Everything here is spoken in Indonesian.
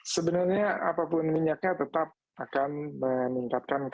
sebenarnya apapun minyaknya tetap akan menyebabkan pembuluh darah di otak